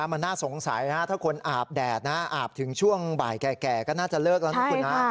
มันน่าสงสัยถ้าคนอาบแดดนะอาบถึงช่วงบ่ายแก่ก็น่าจะเลิกแล้วนะคุณนะ